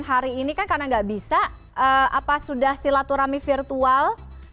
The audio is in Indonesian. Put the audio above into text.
hari ini kan karena nggak bisa apa sudah silaturahmi virtual